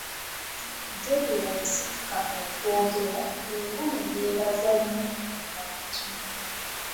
Debula yasituka okwogera era ne yeebaza nnyo abantu.